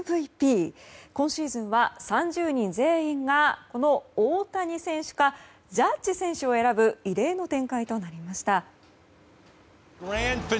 今シーズンは３０人全員が大谷選手かジャッジ選手を選ぶ異例の展開となりました。